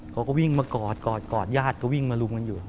เขาก็วิ่งมากอดกอดญาติก็วิ่งมาลุมกันอยู่